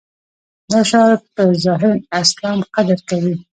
دا شعار په ظاهره اسلام قدر کوي.